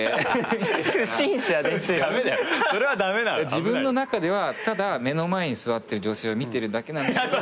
自分の中ではただ目の前に座ってる女性を見てるだけなんだけど。